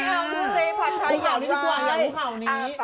อ้าวคุณเจฟันไทยอย่างกว่าอย่างทุกข้าวนี้